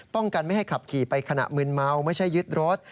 กันไม่ให้ขับขี่ไปขณะมืนเมาไม่ใช่ยึดรถ